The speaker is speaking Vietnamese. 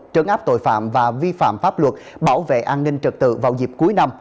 trấn áp tội phạm và vi phạm pháp luật bảo vệ an ninh trật tự vào dịp cuối năm